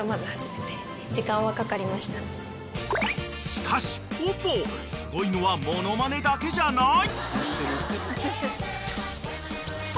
［しかしぽぽすごいのはモノマネだけじゃない！］